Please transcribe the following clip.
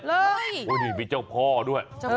โอ้โหนี่มีเจ้าพ่อด้วย